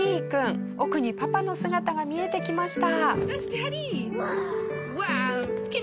奥にパパの姿が見えてきました。